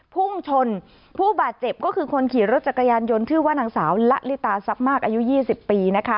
พุ่งชนผู้บาดเจ็บก็คือคนขี่รถจักรยานยนต์ชื่อว่านางสาวละลิตาซับมากอายุ๒๐ปีนะคะ